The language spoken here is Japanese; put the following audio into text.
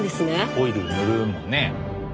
オイル塗るもんね。